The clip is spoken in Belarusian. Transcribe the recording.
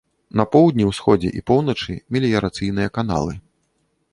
На поўдні, усходзе і поўначы меліярацыйныя каналы.